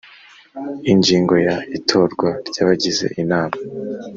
Ingingo ya Itorwa ry abagize Inama